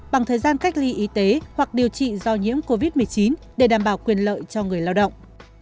bằng thời gian cách ly y tế hoặc điều trị do nhiễm covid một mươi chín để đảm bảo quyền lợi cho người lao động